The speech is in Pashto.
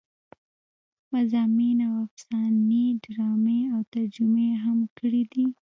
مضامين او افسانې ډرامې او ترجمې يې هم کړې دي